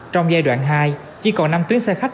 trong giai đoạn hai chỉ còn năm tuyến xe khách